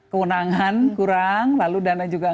kewenangan kurang lalu dana juga